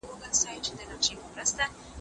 بورس مو لغوه کیدای شي.